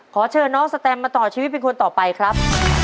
ขอเชิญน้องสแตมมาต่อชีวิตเป็นคนต่อไปครับ